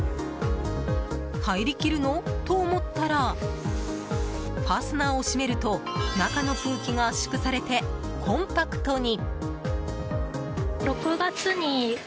入りきるの？と思ったらファスナーを閉めると中の空気が圧縮されてコンパクトに。